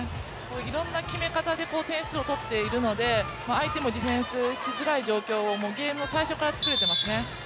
いろんな決め方で点数を取っているので、相手もディフェンスしづらい状況をゲームの最初から作れていますね。